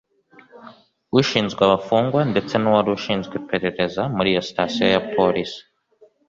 ushinzwe abafungwa ndetse n’uwari ushinzwe iperereza muri iyo station ya Polisi